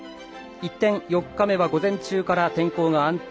一転、４日目は午前中から天候が安定。